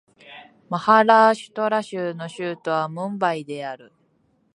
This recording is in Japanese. マハーラーシュトラ州の州都はムンバイである